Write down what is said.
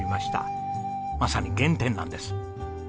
まさに原点なんです。